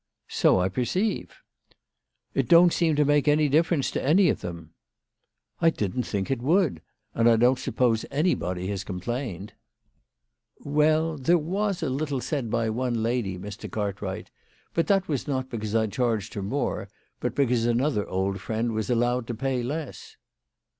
" So I perceive.' '" It don't seem to make any difference to any of them." " I didn't think it would. And I don't suppose any body has complained." WHY FRATJ FROHMANN RAISED HER PRICES. 101 " Well ; there was a little said by one lady, Mr. Cartwright. But that was not because I charged her more, but because another old friend was allowed to pay less."